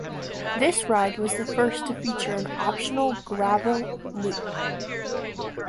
This ride was the first to feature an optional gravel loop.